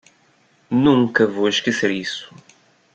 Nunca vou esquecer isso.